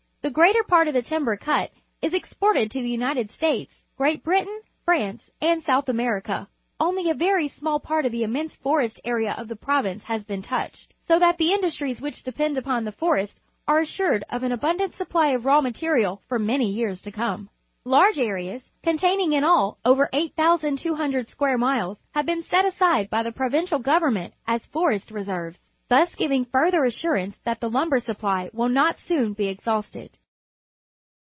The greater part of the timber cut is exported to the United States, Great Britain, Vmnof^ nnH S"utb Ame rica. Only a very ' small part of the immense forest area of the province has been touched, so that the indus tries wliich depend upon the forest are assured of an abundant supply of raw material for many years to come. Large areas, containing in all over 8,200 square miles, have been set jfiide. by the Provincial Government as forest reserves, thus giving fiu'ther assurance that the lumber supply will not soon be exhausted.